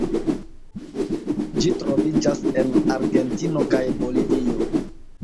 Ĝi troviĝas en Argentino kaj Bolivio.